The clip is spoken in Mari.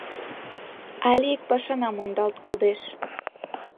Але ик пашана мондалт кодеш.